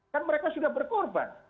kan mereka sudah berkorban